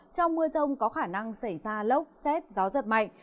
trong mưa rông có khả năng xảy ra lốc xét gió giật mạnh